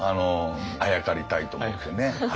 あやかりたいと思ってね。